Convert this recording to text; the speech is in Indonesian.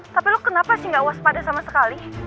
tapi lo kenapa sih nggak waspada sama sekali